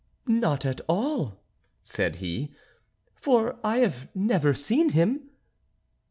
"Not at all," said he; "for I have never seen him."